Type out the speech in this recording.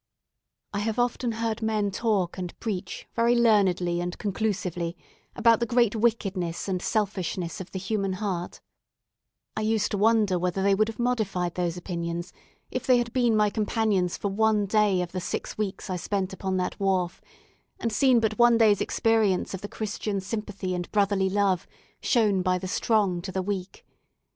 I have often heard men talk and preach very learnedly and conclusively about the great wickedness and selfishness of the human heart; I used to wonder whether they would have modified those opinions if they had been my companions for one day of the six weeks I spent upon that wharf, and seen but one day's experience of the Christian sympathy and brotherly love shown by the strong to the weak.